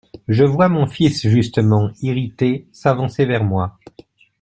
Je vois mon fils justement irrité s'avancer vers moi.